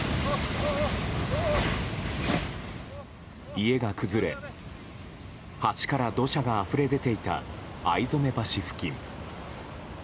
家が崩れ、橋から土砂があふれ出ていた逢初橋付近。